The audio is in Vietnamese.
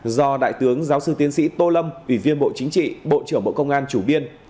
do đại tướng giáo sư tiến sĩ tô lâm ủy viên bộ chính trị bộ trưởng bộ công an chủ biên